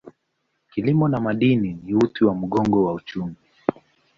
Kilimo na madini ni uti wa mgongo wa uchumi.